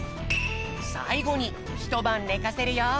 さいごにひとばんねかせるよ。